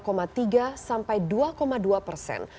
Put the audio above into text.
pembeli ini menurun dari dua tiga persen sampai dua dua persen